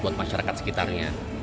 untuk masyarakat sekitarnya